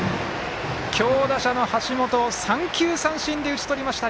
強打者の橋本を三球三振で打ち取りました。